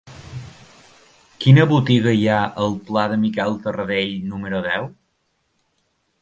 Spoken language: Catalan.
Quina botiga hi ha al pla de Miquel Tarradell número deu?